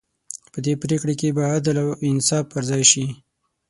په دې پرېکړې کې به عدل او انصاف پر ځای شي.